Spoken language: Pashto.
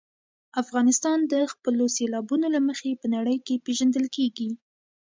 افغانستان د خپلو سیلابونو له مخې په نړۍ کې پېژندل کېږي.